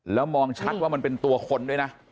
แล้วมองชัดว่ามันเป็นตัวคนด้วยนะ